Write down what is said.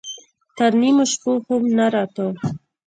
تر نيمو شپو خوب نه راته.